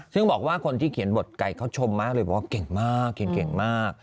ซึ่งบอกว่าคนที่เขียนบทไก่เขาชมมากเลยบอกว่าเก่งมากเขียนเก่งมาก